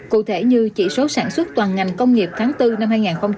cụ thể như chỉ số sản xuất toàn ngành công nghiệp tháng bốn năm hai nghìn hai mươi